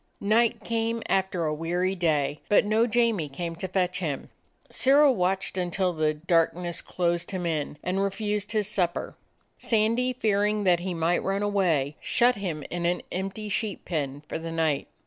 Night came after a weary day, but no Jamie came to fetch him. Sirrah watched until the darkness closed him in, and refused his sup per. Sandy, fearing that he might run away, shut him in an empty sheep pen for the night.